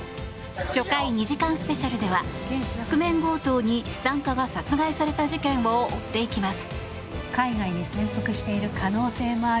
初回２時間スペシャルでは覆面強盗に資産家が殺害された事件を追っていきます。